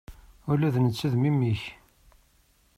Ula d netta d memmi-k.